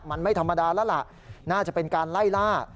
มันไม่ธรรมดาแล้วล่ะน่าจะเป็นการไล่ล่า